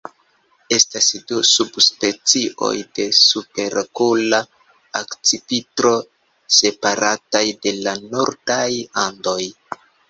Estas du subspecioj de Superokula akcipitro, separataj de la nordaj Andoj.